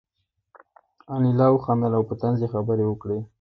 انیلا وخندل او په طنز یې خبرې وکړې